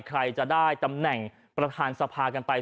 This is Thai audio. ใครจะได้ตำแหน่งประธานสภากันไป